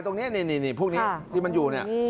ตรงนี้นิหนินิพูดนี่ที่มันอยู่เนี่ย